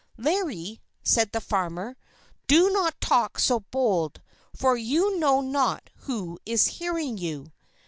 "Larry," said the farmer, "do not talk so bold, for you know not who is hearing you!